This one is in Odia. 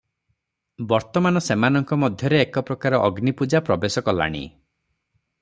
ବର୍ତ୍ତମାନ ସେମାନଙ୍କ ମଧ୍ୟରେ ଏକପ୍ରକାର ଅଗ୍ନିପୂଜା ପ୍ରବେଶ କଲାଣି ।